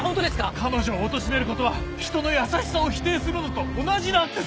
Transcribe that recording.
彼女をおとしめることは人の優しさを否定するのと同じなんです！